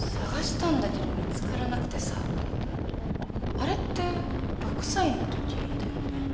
あれって６歳の時だよね？